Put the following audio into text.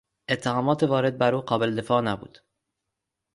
اتهامات وارد بر او قابل دفاع نبود.